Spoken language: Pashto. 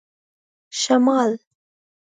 شمال